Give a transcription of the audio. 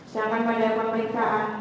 sedangkan pada perperiksaan